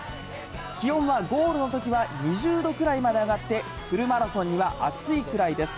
気温はゴールのときは２０度くらいまで上がって、フルマラソンには暑いくらいです。